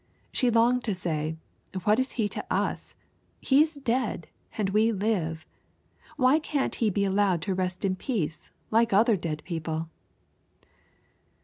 She longed to say: "What is he to us? He is dead and we live. Why can't he be allowed to rest in peace, like other dead people?"